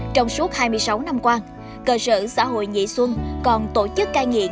trong suốt hai mươi sáu năm qua cơ sở xã hội nhị xuân còn tổ chức cai nghiện